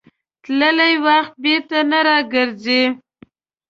تللی وخت بېرته نه راګرځي.